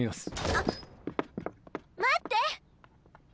あっ待って！